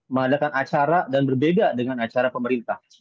mengadakan acara dan berbeda dengan acara pemerintah